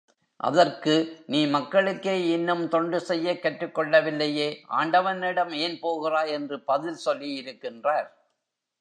அதற்கு, நீ மக்களுக்கே இன்னும் தொண்டு செய்யக் கற்றுக் கொள்ளவில்லையே, ஆண்டவனிடம் ஏன் போகிறாய், என்று பதில் சொல்லியிருக்கின்றார்.